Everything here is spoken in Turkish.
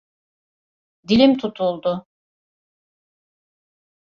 Dilim tutuldu.